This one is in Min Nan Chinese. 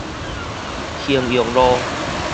衡陽路